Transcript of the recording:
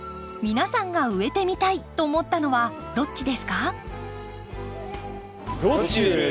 皆さんが植えてみたいと思ったのはどっちですか？